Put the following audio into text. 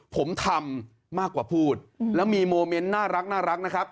ผมทำมากกว่าพูดแล้วมีโมเมนต์น่ารักนะครับ